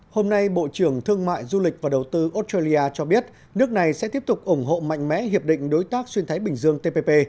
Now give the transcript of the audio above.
hôm nay bộ trưởng thương mại du lịch và đầu tư australia cho biết nước này sẽ tiếp tục ủng hộ mạnh mẽ hiệp định đối tác xuyên thái bình dương tpp